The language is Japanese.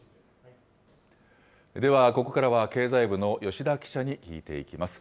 では、ここからは経済部の吉田記者に聞いていきます。